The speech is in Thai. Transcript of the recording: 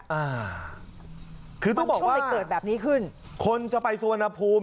มันช่วงเลยเกิดแบบนี้ขึ้นคือต้องบอกว่าคนจะไปสวนภูมิ